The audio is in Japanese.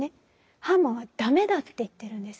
ハーマンは駄目だって言ってるんです。